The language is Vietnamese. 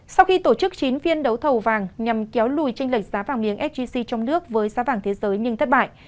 sau khi tổ chức chín phiên đấu thầu vàng nhằm kéo lùi tranh lệch giá vàng miếng sgc trong nước với giá vàng thế giới nhưng thất bại